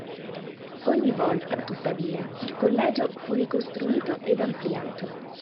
Ogni volta tuttavia il Collegio fu ricostruito ed ampliato.